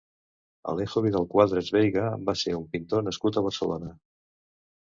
Alejo Vidal-Quadras Veiga va ser un pintor nascut a Barcelona.